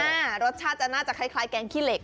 อ่ารสชาติจะคล้ายแกงขี้เหล็ก